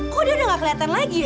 kok dia udah gak keliatan lagi ya